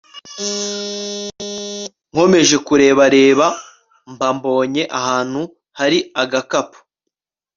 nkomeje kureba reba mba mbonye ahantu hari agakapu